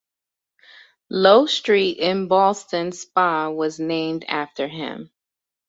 Low Street in Ballston Spa is named after him.